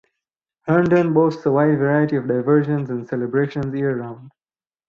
Herndon boasts a wide variety of diversions and celebrations year round.